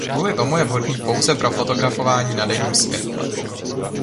Kvůli tomu je vhodný pouze pro fotografování na denním světle.